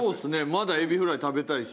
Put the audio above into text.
まだエビフライ食べたいし。